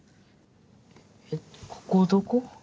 えっここどこ？